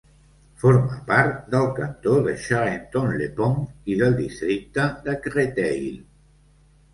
Forma part del cantó de Charenton-le-Pont i del districte de Créteil.